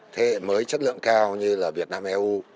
thế hệ mới chất lượng cao như là việt nam eu